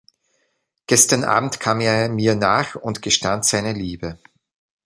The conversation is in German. Gestern Abend kam er mir nach und gestand seine Liebe.